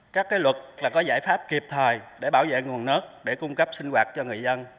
các luật có giải pháp kịp thời để bảo vệ nguồn nước để cung cấp sinh hoạt cho người dân